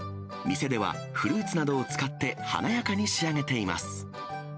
店ではフルーツなどを使って、華やかに仕上げています。